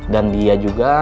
dan dia juga